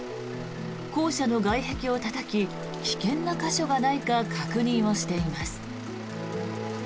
校舎の外壁をたたき危険な箇所がないか確認をしています。